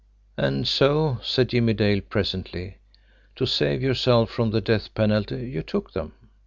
"And so," said Jimmie Dale presently, "to save yourself from the death penalty you took them."